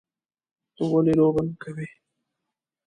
_ته ولې لوبه نه کوې؟